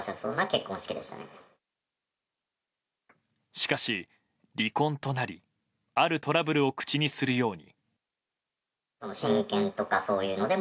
しかし、離婚となりあるトラブルを口にするように。